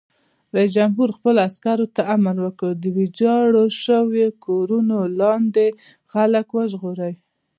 رئیس جمهور خپلو عسکرو ته امر وکړ؛ د ویجاړو شویو کورونو لاندې خلک وژغورئ!